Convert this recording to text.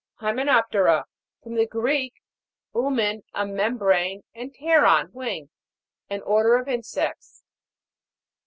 HYMENOP'TERA. From the Greek, 'umen, a membrane, and pteron^ wing. An order of insects.